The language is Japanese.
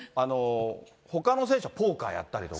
ほかの選手は、ポーカーやったりとか。